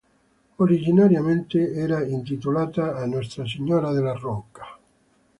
Originariamente era intitolata a Nostra Signora della Rocca.